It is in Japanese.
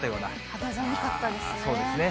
肌寒かったですね。